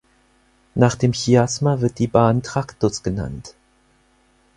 Nach dem Chiasma wird die Bahn Tractus genannt.